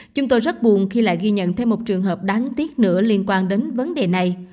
chúng tôi rất buồn khi lại ghi nhận thêm một trường hợp đáng tiếc nữa liên quan đến vấn đề này